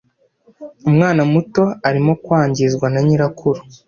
Umwana muto arimo kwangizwa na nyirakuru.